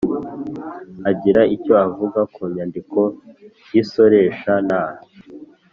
agira icyo avuga ku nyandiko y isoresha nta